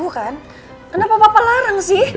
kenapa papa larang sih